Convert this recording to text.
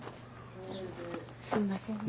すいませんね。